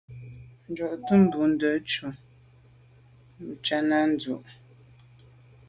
Njantùn bùnte ntshob Tshana ndù.